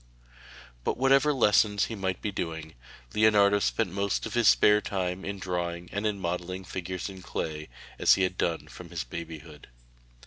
But whatever lessons he might be doing, Leonardo spent most of his spare time in drawing and in modelling figures in clay, as he had done from his babyhood.